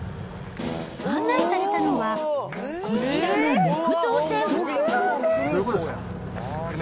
案内されたのは、こちらの木造船。